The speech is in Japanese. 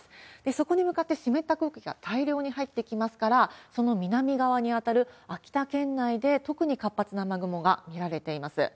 そこに向かって湿った空気が大量に入ってきますから、その南側に当たる秋田県内で特に活発な雨雲が見られています。